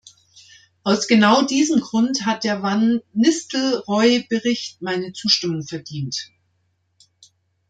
Aus genau diesem Grund hat der Van-Nistelrooij-Bericht meine Zustimmung verdient.